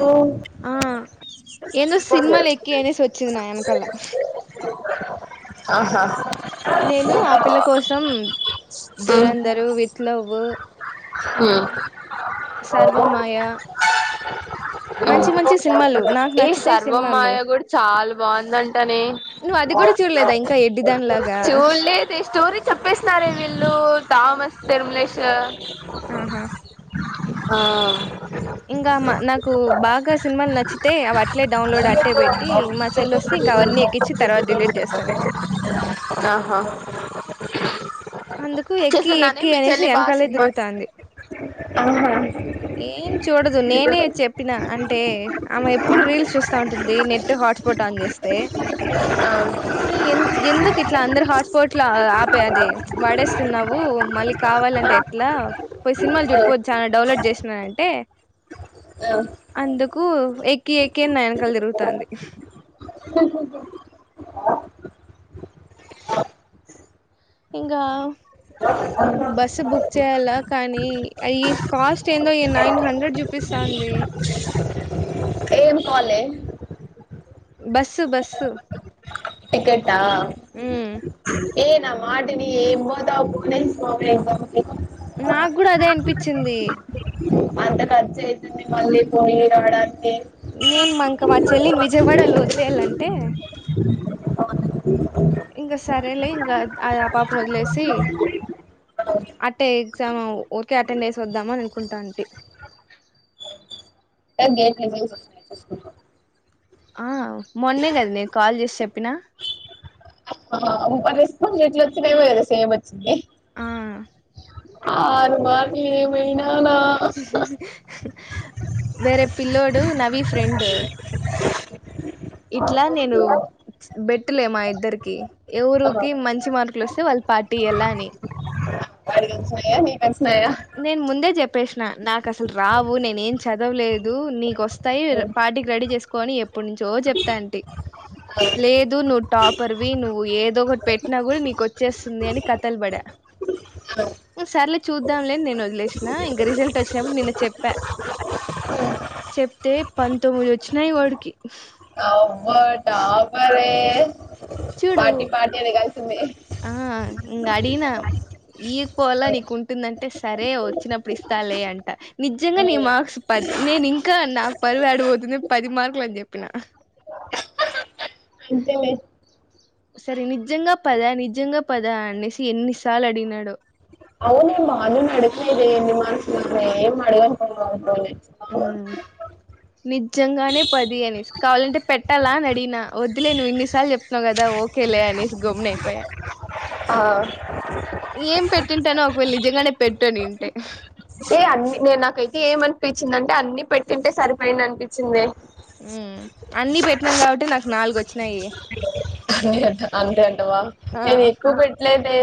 హు. ఆ ఏందో సినిమాలు ఎక్కి అనేసి వచ్చింది నా వెనకల్ల ఆహా. నేను ఆ పిల్ల కోసం ఉమ్ దురందారు విత్ లవ్వూ ఆ ఉమ్ సర్వమ్మాయ. ఏ నచ్చితే సినిమాలు సర్వమ్మాయ కూడా చాలా బాగుందంటానే. నువ్వు అది కూడా చూడలేదా ఇంకా ఎడ్డిదాని లాగా చూలేదే స్టోరీ. చెప్పేస్తారో వీళ్ళు టా. వస్తే బ్లెష్. ఆహా. ఆ ఇంకామ్ మా నాకు బాగా సినిమాలు నచ్చితే అవి అట్లే డౌన్లోడ్ అట్టే పెట్టి మా చెల్లి వస్తే ఇంకా అవన్నీ ఎక్కించి తర్వాత డిలీట్ చేస్తా నేను. చు చూ. అందుకు ఎక్కి ఎక్కి అనేసి వెనకాల సినిమా తిరుగుతుంది. ఆహా. ఏం చూడదు నేనే చెప్పిన అంటే ఆమె ఎప్పుడు రీల్స్ చూస్తా ఉంటుంది నెట్ హాట్ స్పాట్ ఆన్ చేస్తే ఆ ఇ ఎందుకు ఇట్లా అందరు హాట్ స్పాట్ లో ఆపది వాడేస్తున్నావు మళ్ళీ కావాలంటే ఎట్లా పోయి సినిమాలు ఆ చుడిపో అన్న. డౌలోడ్ చేసి. [unintelligible] అంటే ఆ అందుకు ఎక్కి ఎక్కి అని నా వెనకాల తిరుగుతుంది [unintelligible] ఇంకా బస్ బుక్ చేయాలా కానీ ఈ కాస్ట్ ఏందో ఈ నైన్ హండ్రెడ్ చూపిస్తాంది ఏం కాలే బస్సు బస్సు టికేటా ఉమ్ ఏ నా మాటిని ఏం పోతానే పో [unintelligible] నాకు కూడా అదే అనిపించింది అంత ఖర్చు అవుతుంది మళ్ళీ పోయి రావడానికి నేను మా ఇంకా మా చెల్లిని విజయవాడలో వదిలేయాలంటే ఇంగ సరేలే ఇంగా ఆ పాపనీ వదిలేసి అట్టే ఎగ్జామ్ ఊరికే అటెండ్ వేసి వద్దామని అనుకుంటాటీ గేట్ [unintelligible] ఆ మొన్నే కదా నీకు కాల్ చేసి చెప్పిన రెస్పన్స్ ఎట్లా వచ్చినయ్ సేమ్ వచ్చింది ఆ ఆరు బాటిల్ ఏమైనా నా వేరే పిల్లోడు నవీ ఫ్రెండ్ ఇట్లా నేను బెట్ లే మా ఇద్దరికీ ఎవరూకి మంచి మార్కులు వస్తే వాళ్ళు పార్టీయలా అని వాడికెన్ని వచ్చినాయా నీకు ఎన్ని వచ్చినాయా నేను ముందే చెప్పేసిన నాకు అసలు రావు నేనే ఏం చదవలేదు నీకు వస్తాయి పార్టీకి రెడీ చేసుకు కొనీ ఇప్పుటి నుంచో చెప్తాటీ లేదు నువ్వు టాపర్ వి నువ్వు నువ్వు ఏదో ఒకటి పెట్టినా కూడా నీకు వచ్చేస్తుంది అని కథలు పడా ఆ సార్లే చూ ద్దాంలే అని నేను వదిలేసిన ఇంక రిజల్ట్ వచ్చినప్పుడు నిన్న చెప్పా చెప్తే పంతొమ్మిది వచ్చినాయి వాడికి అబ్బా టాపరే ఏ చూడు ఆ ఇంగడిగిన ఈ పోల నీకు ఉంటుందంటే సరే వచ్చినప్పుడు ఇస్తాలే అంట నిజంగా నీ మార్క్స్ పది నేను ఇంకా నాకు పరువు ఆడపోతుంది పది మార్కులు అని చెప్పిన అంతేలే సరే నిజంగా పదా నిజంగా పదా అనేసి ఎన్నిసార్లు అడిగినాడో అవునే బాను నడతాయిది నిమాసు మ ఏం మడగా అంటవని ఆ నిద నిజంగానే పది అనేసి కావాలంటే పెట్టాలా అని అడిగిన వద్దులే నువ్వు ఇన్నిసార్లు చెప్తున్నావు కదా ఓకేలే అనే గమ్న అయిపోయా ఏం పెట్టింటానో నిజంగానే పెట్టనింటే అ అన్ని నేను నాకైతే ఏం అనిపించింది అంటే అన్ని పెట్టింటే సరిపోయింది అనిపించింది అన్ని పెట్టినం కాబట్టి నాకు నాలుగువచ్ అంతే అంటవా ఆ నేను ఎక్కువ పెట్టలేదే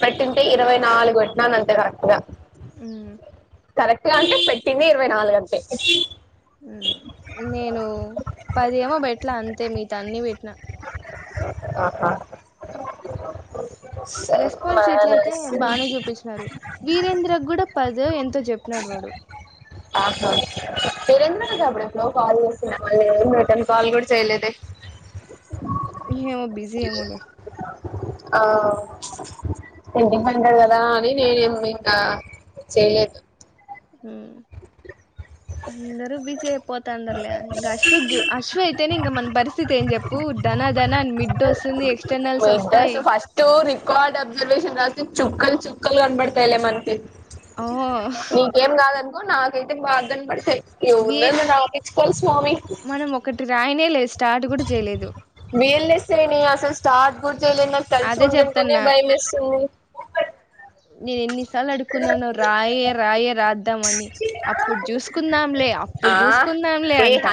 పెట్టుంటే ఇరవై నాలుగు పెట్టిన అంతే కరెక్టుగా ఉం కరెక్ట్ గా అంటే పెట్టింది ఇరవై నాలుగు అంతే నేను పది ఏమో పెట్లే అంతే మిగతా అన్ని పెట్టినా ఆహా సరే, రెస్పాన్స్ షీట్ లో అయితే మనసు బాగానే చూపిస్తున్నారు వీరేంద్ర కూడా పది ఆహ వీరేంద్ర అప్పుడెప్పుడులో కాల్ చేసిన మళ్లీ ఏ రిటర్న్ కాల్ కూడా చేయలేదే ఇ బిజీ ఏమోలే ఆ ఎందుకంటారు కదా అని నేను ఇంకా చేయదు ఉం అందరు బీజీ అయిపోతా అండర్లే ఇంకా అశ్ అశ్వ అయితేనే ఇంకా మన పరిస్థితి ఏం చెప్పు ధనధన మిడ్ వస్తుంది మా ఎక్స్టర్నల్స్ వస్తాయి ఇద్దరు ఫస్ట్ రికార్డ్ అబ్జర్వేషన్ రాస్తే చుక్కలు చుక్కలు కనబడతాయిలే మనకి ఓ నీకేం కాదనుకో నాకు తే బ ధన్ బడ్తాయి ఇ వే ఉన్నన్న కాబట్టి కోల్స్ మనం ఒకటి రాయినే లేస్ వీల్ నీస్స్తేని అస్ అస్ చర్ గు అదే చెప్తాన్న నేను ఎన్నిసార్లు అడుకున్నాను రాయే రాయే రాద్దాము అని అప్పుడు చూసుకుందాంలే అప్పుడు ఆ చూసుకుందాంలే అంట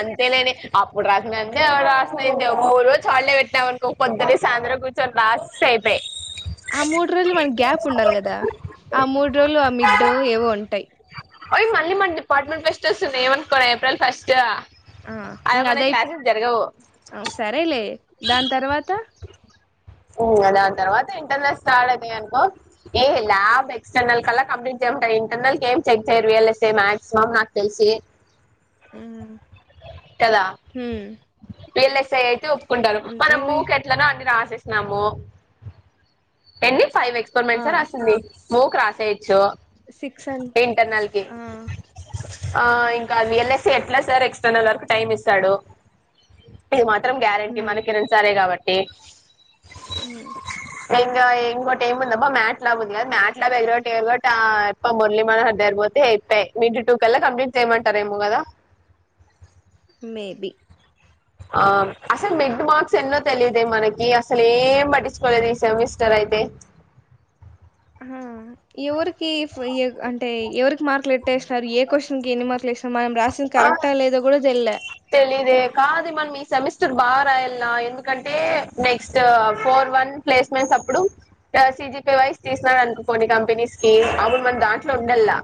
రాసాయింది ఒక మూడు రోజు హాలిడే పెట్టినాం అనుకో పొద్దునుంచి సాయంత్రం వరకు కూర్చొని రాస్తే అయిపోయే ఆ మూడు రోజులు మనకి గ్యాప్ ఉండాలి కదా ఆ మూడు రోజులు ఆ మిడ్ ఏవో ఉంటాయి మళ్ళీ మన డిపార్ట్మెంట్ పెస్టిస్ ఉన్నాయి ఏమనుకోన్నా ఏప్రిల్ ఫస్ట్ ఆ ఇంగ మన అదై క్లాస్ ఆ సరేలే దాని తర్వాత దాని తర్వాత ఇంటర్నల్ స్టార్ట్ అయితే అనుకో ఏ ల్యాబ్ ఎక్స్టర్నల్ కల్లా కంప్లీట్ చేయంటాయి ఇంటర్నల్ కు ఏం చెక్ చేయ్యరు ఎయల్స్ మాక్సిమం నాకు తెలిసి ఊం హుం పల్ఎస్ అయితే ఒప్పుకుంటారు మన ఊకె ఎట్లనో అన్ని రాసి చేసినము ఎన్ని ఫైవ్ ఆ ఎక్స్పైరిమెంట్స ఎ రాసింది మో క్రాసయి [unintelligible] సో సిక్స్ అన్ ఇంటర్నల్ కి ఆ ఆ ఇంకా విఎల్ఇ ఎట్లా సార్ ఎక్స్టర్నల్ వర్క్ టైమ్ ఇస్తాడు ఇది మాత్రం గ్యారం హ్మ్ మన కిరణ్ సారే కాబట్టి ఎ ఊ ఇగా ఇంకోటి ఏమిముందబ్బా మ్యాట్ లాబ్ ఉంది ఎంజాయ్ కదా మ్యాట్ లాబ్ ఎగర గొట్టి ఎగర గొట్టి ఆ ఇప్ప మురళి మనోహదార్ పోతే ఇపే మిడ్ టూ కళ్ళ కంప్లీట్ చేయమంటార ఏమో కదా మేబి ఆ అసలు మిడ్ మార్క్స్ ఎన్నో తెలియదు మనకి అసలు ఏం పటించుకోలేదు ఈ సెమిస్టర్ అయితే హ ఎవరికి అంటే ఎవరికి మార్కులు ఎట్టే ఎసినరు ఏ కోశానికి ఎన్ని మార్కులు ఏసినారు మనం రాసింది కరెక్టా లేదా కూడా తెల్లే తెలియదే కాదు మన ఈ సెమిస్టర్ బాగా రాయల్లా ఎందుకంటే నెక్స్ట్ ఫోర్ వన్ ప్లేస్మెంట్స్ అప్పుడు సిజిపీ వై తీసినారు అనుకో కొన్ని కంపెనీస్ కి అప్పుడు మన దాంట్లో ఉండల్లా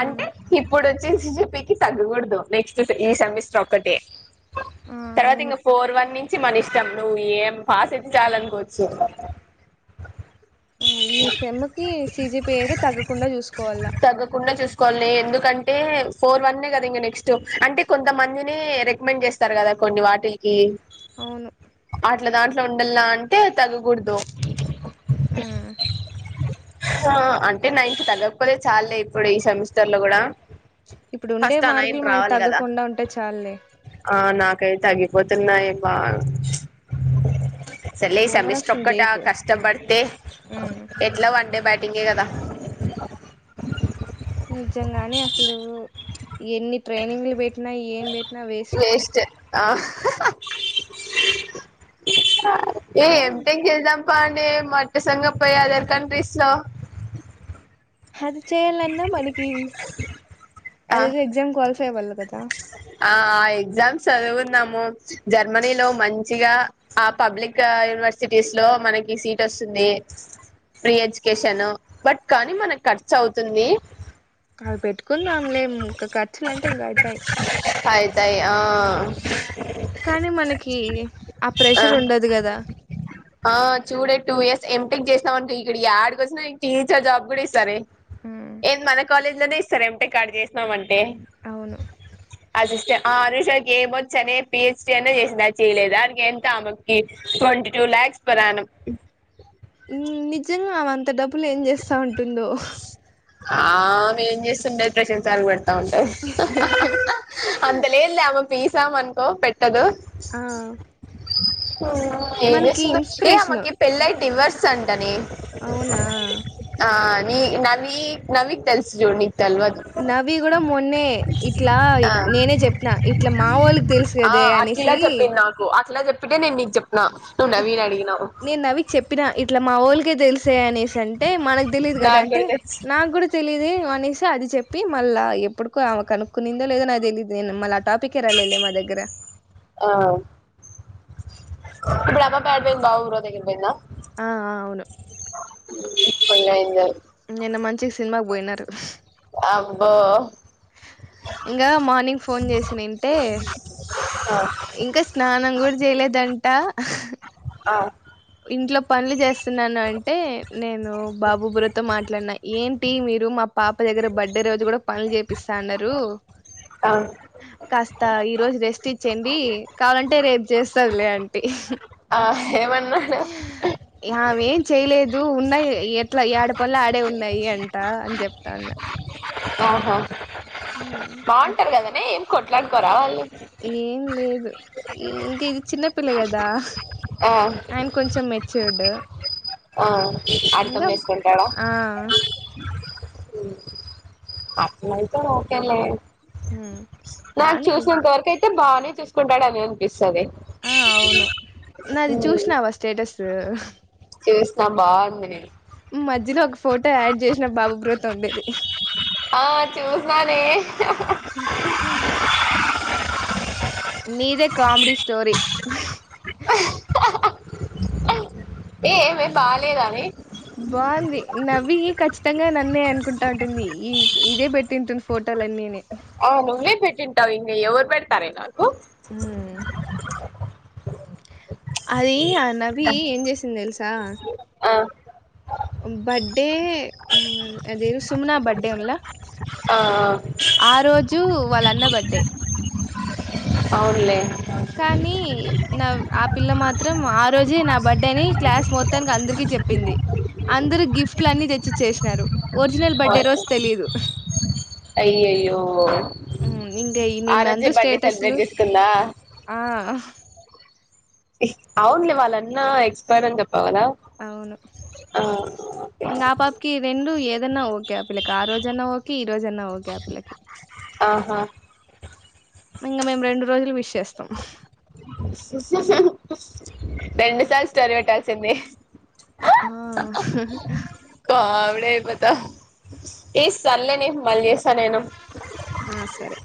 అంటే ఇప్పుడు వచ్చే సిజిపికి తగ్గకూడదు నెక్స్ట్ ఈ సెమిస్టర్ ఒక్కటే ఆ తర్వాత అవును ఇంక ఫోర్ వన్ నుంచి మన ఇష్టం నువ్వు ఏం పాస్ అయితే చయాలనుకోవచ్చు ఈ సేము కి సిజిపి అయితే తగ్గకుండా చూసుకోవాల కొన్ని ఎందుకంటే ఫోర్ వన్ కదా ఇంక నెక్స్ట్ అంటే కొంతమందిని రికమెండ్ చేస్తారు కదా కొన్ని వాటిలకి అవును అట్లా దాంట్లో ఉండల్లా అంటే తగ్గకూడదు ఉమ్, హ అంటే నైన్ కి తగ్గకపోతే చాల్లె ఇప్పుడు ఈ సెమిస్టర్ లో కూడా ఇప్పుడు ఉండే ఫస్ట్ ఆ నైన్ మార్కులు మనయి రావాలి కదా తగ్గకుండా ఉంటే చాలులే ఆ నాకైతే పోతున్నాయి బా సరేలే ఈ సమిస్టర్ ఓవరాక్షన్ ఒక్కట చేయకు కష్టం పడితే ఉమ్, ఎట్లాగో బయట టింగే కదా నిజంగాని అసలు ఎన్ని ట్రైనింగ్లు పెట్ పెట్టినా ఏం పెట్టినా వేస్ట్ ఆ [unintelligible] ఏ యా, ఏం టెక్ చేద్దాం పాండే మట్టసంగా పోయి అదర్ కంట్రీస్ లో అది చేయాలాంటే మనకి అదెదో ఎగ్జామ్ క్వాల్ ట్రెవెల్ కదా ఆ ఆ ఎగ్జామ్స్ చదుకువుందము జర్మనీలో మంచిగా ఆ పబ్లిక్ యూనివర్సిటీస్ లో మనకి సీట్ వస్తుంది ఫ్రీ ఎడ్యుకేషన్ బట్ కానీ మనకు ఖర్చు అవుతుంది అవి పెట్టుకుందాంలేం ఇంకా ఖర్చులు అంటే ఇంకా అవుతాయి అయితయి ఆ కానీ మనకి ఆ ప్రెషర్ ఉండదు కదా ఎమ్ టెక్ చేసినవంటే ఇక్కడ యాడికొచ్చినా నీక్ టీచర్ జాబ్ కూడా ఇస్తారే ఉమ్, ఏన్ మన కాలేజ్లనే ఇస్ సరే ఎం టెక్ ఆడ చేస్నవంటే అవును అసిస్టెంట్ ఆ అనుషాకి ఏమొచ్చనీ పీహెచ్డీ అయినా చేసింది అది చేయలేదా దానికెంత ఆమెకి ట్వంటీ టూ లాక్స్ పర్ అనుమ్ నిజంగా అంత డబ్ అప్పులు ఏం చేస్తా ఉంటుందో [inaudible] అంతలేద్లె ఆమక్ తీసాం అనుకో పెట్ తదు ఆ ఏం మనకి చేస్తున్నవ్ ఏ ఇన్స్పిరేషన్ ఆమకి పెళ్లై డివర్స్ సంటనే అవునా నీ నవీ నవీకి తెల్సు చూడు తెల్వదు నవీ గుడా మొన్నే ఇట్లా ఆ నేనే చెప్పిన ఇట్ల మా వోళ్ళకి తెల్సు కదే అనేసి ఇప్పుడే నేన్ నీక్ చెప్ నేన్ నవీక్ చెప్పినా ఇట్లా మా ఒళ్ళకే తెల్స్ అనేస్ అంటే మనక్ తెలీద్ కదా నాకు అంటే కూడా తెలుసు నాక్ గూడా తెలిదే అనేసి అది చెప్పి మళ్ళా ఎప్పుడుకో ఆమ కనుక్కుందో లేదో నాక్ తెలీదు మళ్ళ టాపికే రాలేదు లే మా దగ్గర ఆ [unintelligible] ఆ ఆ అవును [inaudible] నిన్న మంచి సినిమాకి పోయినారు అబ్బో ఇంగా మార్నింగ్ ఫోన్ చేసిన ఇంటే ఇంకా స్నానం గుడా చేయలేదం ఆ ఆ ఇంట్లో పనులు చేస్ స్తున్నాను అంటే నేను బాబు బురతో మాట్లాడిన ఏంటి మీరు మా పాప దగ్గర బర్త్డే రోజు గుడా పనులు చేపిస్తా అన్నారు అవునా కాస్త ఈ రోజు రెస్ట్ ఇచ్చేడి కావాలంటే రేపు చేస్తదిలే ఆంటీ ఆ ఏమన్నాడు ఆమె ఏం చెయలేదు ఉన్నాయి ఎట్లా ఏడపనులు ఆడే ఉన్నాయి అంట అని చెప్తాను ఆహ అట్ బాగుంటారు కదనే కొట్లాడుకోరా వాళ్ళు ఏం లేదు ఇది చిన్నపిల్ల గదా ఆ అయన్ కొంచెం మెచ్యూర్ డు ఆ అర్థం వేసుకుంటాడా ఆ అట్నయితే ఓకే లే హ్మ్ నాకు బానే అంటారు చూసినంతవరక అయితే బాగానే తీసుంటాడు అని అనిపిస్ ఆ అవును నాది చూసినవా స్టేటస్ ఉ చూసిన బాగుంది మధ్యలో ఒక ఫోటో యాడ్ చేసిన బాబు బ్రో తో ఉండేది ఆ చూసినా నే నీదే కామెడి స్టోరి ఏ ఏమే బాలేదానే బాగుంది నవ్వి ఖచ్చితంగా నన్నే అనుకుంటా ఉంటుంది ఈ ఇదే పెట్టింటుంది ఫోటోలున్నీనే ఆ నువే పెటిం అవ్వి ఇంగా ఎవరు పెడతార నక్ ఉ అది ఆ నవి ఏం చేసింది తెలుసా ఆ బర్త్డే అది ఉ ఇవ్వుస్ తుమ్ న్న బర్త్డే ఉల్ల ఆ ఆ రోజు వాళ్ళ అన్న బర్త్డే అవున్ లే కానీ నా ఆ పిల్ల మాత్రం ఆ రోజే నా బర్త్డే అని క్లాస్ మొత్తనికి అందరికి చెప్పింది అందరు గిఫ్ట్ లు అన్ని తెచ్చి చేసినారు అయ్యోయ్యో హ్మ్ ఇంగ ఈ నీ ఆరాధ్య నందు బర్త్డే స్టేటస్లు సెలబ్రేట్ చేసుకుందా ఆ అవునులే వాళ్ళన్నా ఎక్స్పైర్ అని చెప్ప అవును ఇంగ ఆ పాపకి రెండు ఏద ఏ రోజన్నా ఓకే ఆ పిళ్ల కి ఆ రోజన్నఓకే ఏ రోజన్న ఓకే ఆపిల్లకు ఆహా ఇంకా మేము రెండు రోజులు విష [unintelligible] రెండూ సర్ స్టోర్ఈ పెటల్సుండి ఆ క త ఏ సల్లే న మళ్ళీ చేసా నేను ఆ సరే